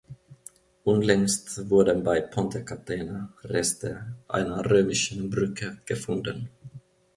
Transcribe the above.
Unlängst wurden bei Ponte Catena Reste einer römischen Brücke gefunden.